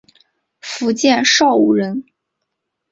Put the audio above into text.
福建邵武人。